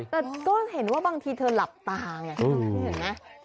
แต่ก็เห็นว่าบางทีเธอหลับตาไงเห็นไหม